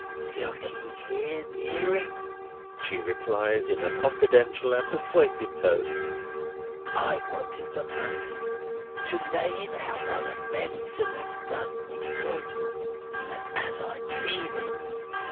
"Look'ee here, deary," she replies, in a confidential and persuasive tone, "I wanted the money to lay it out on a medicine as does me good, and as I deal in.